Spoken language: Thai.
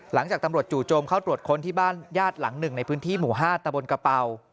หลังจากตำรวจจู่โจมเข้าตรวจค้นที่บ้านญาติหลังหนึ่งในพื้นที่หมู่๕ตะบนกระเป๋า